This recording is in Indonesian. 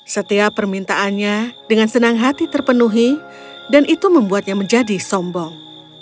setiap permintaannya dengan senang hati terpenuhi dan itu membuatnya menjadi sombong